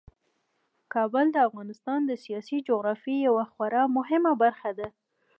کابل د افغانستان د سیاسي جغرافیې یوه خورا مهمه برخه ده.